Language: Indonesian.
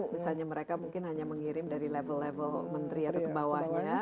misalnya mereka mungkin hanya mengirim dari level level menteri atau ke bawahnya